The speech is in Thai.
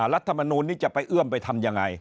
รัฐมนูลนี้จะไปเอื้อมไปทำยังไง